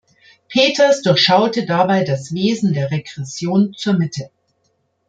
Peters durchschaute dabei das Wesen der Regression zur Mitte.